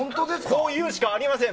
こういうしかありません！